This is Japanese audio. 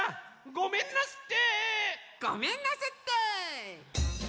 ごめんなすって！